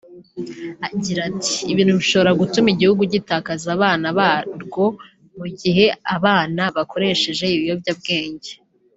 Agira ati "Ibintu bishobora gutuma igihugu gitakaza bana barwo mu gihe abana bakoresheje ibiyobyabwenge